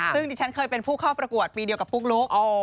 ซึ่งดิฉันเคยเป็นผู้เข้าประกวดปีเดียวกับปุ๊กลุ๊ก